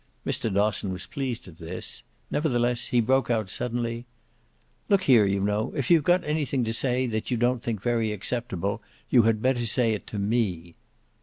Mr. Dosson was pleased at this; nevertheless he broke out suddenly: "Look here, you know; if you've got anything to say that you don't think very acceptable you had better say it to ME."